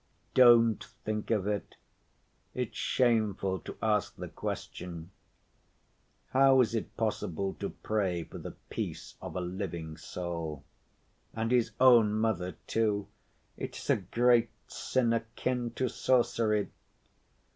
"Don't think of it. It's shameful to ask the question. How is it possible to pray for the peace of a living soul? And his own mother too! It's a great sin, akin to sorcery.